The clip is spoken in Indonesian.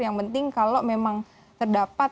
yang penting kalau memang terdapat